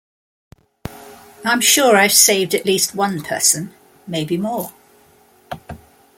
I'm sure I've saved at least one person - maybe more.